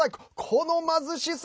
この貧しさ。